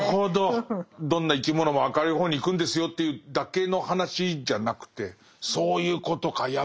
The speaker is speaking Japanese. どんな生き物も明るい方に行くんですよというだけの話じゃなくてそういうことか。